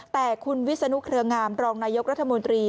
แต่คุณวิศนุเครืองามรองนายกรัฐมนตรี